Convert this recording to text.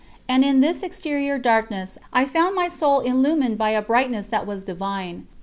And, in this exterior darkness, I found my soul illumined by a brightness that was divine.